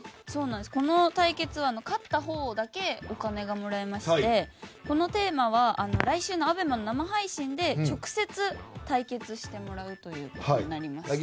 この対決は勝ったほうだけお金がもらえましてこのテーマは来週のＡＢＥＭＡの生配信で直接、対決してもらうということになります。